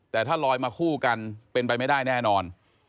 แต่ถ้าลอยมาคู่กันเป็นไปไม่ได้แน่นอน